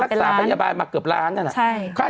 รักษาพยาบาลมาเกือบล้านนั่นน่ะ